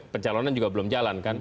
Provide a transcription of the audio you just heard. pencalonan juga belum jalan kan